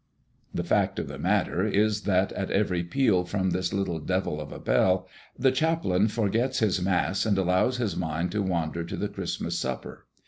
The fact of the matter is that at every peal from this little devil of a bell, the chaplain forgets his Mass and allows his mind to wander to the Christmas supper.